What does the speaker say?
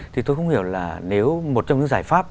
thì tôi không hiểu là nếu một trong những giải pháp